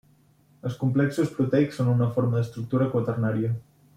Els complexos proteics són una forma d'estructura quaternària.